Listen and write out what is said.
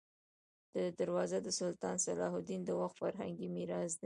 دا دروازه د سلطان صلاح الدین د وخت فرهنګي میراث دی.